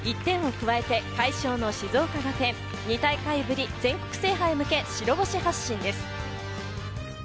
このあと１点を加えて快勝の静岡学園、２大会ぶり全国制覇へ向け白星発進です。